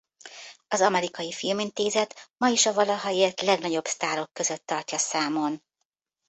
Az Amerikai Filmintézet ma is a valaha élt legnagyobb sztárok között tartja számon.